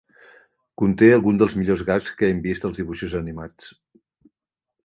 Conté alguns dels millors gags que hem vist als dibuixos animats.